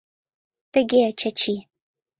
— Тыге, Чачи.